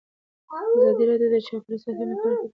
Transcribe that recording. ازادي راډیو د چاپیریال ساتنه لپاره عامه پوهاوي لوړ کړی.